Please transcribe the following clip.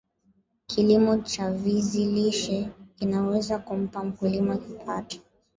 kilimo cha vizi lishe kinaweza kumpa mkulima kipato